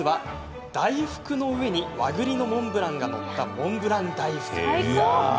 大福の上に和栗のモンブランが載ったモンブラン大福。